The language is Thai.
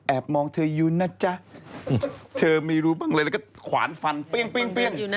มองเธออยู่นะจ๊ะเธอไม่รู้บ้างเลยแล้วก็ขวานฟันเปรี้ยงอยู่นะ